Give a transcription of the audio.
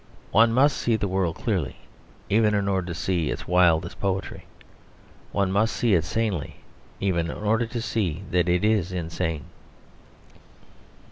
One must see the world clearly even in order to see its wildest poetry. One must see it sanely even in order to see that it is insane.